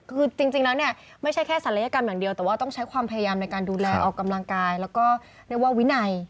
คือจริงแล้วเนี่ยไม่ใช่แค่ศัลยกรรมอย่างเดียวแต่ว่าต้องใช้ความพยายามในการดูแลออกกำลังกายแล้วก็เรียกว่าวินัย